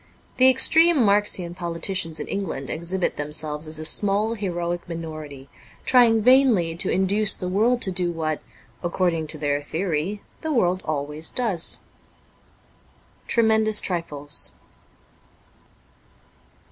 The extreme Marxian politicians in England exhibit themselves as a small, heroic minority, trying vainly to induce the world to do what, according to their theory, the world always does. ' Tremendous Trifles.